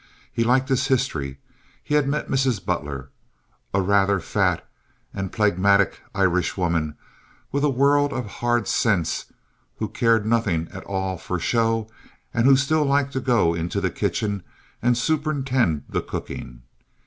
He liked his history. He had met Mrs. Butler, a rather fat and phlegmatic Irish woman with a world of hard sense who cared nothing at all for show and who still liked to go into the kitchen and superintend the cooking.